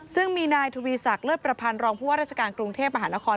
ซึ่งมีนายทวีศักดิเลิศประพันธ์รองผู้ว่าราชการกรุงเทพมหานคร